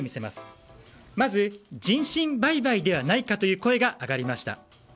まず、人身売買ではないかという声が上がりました。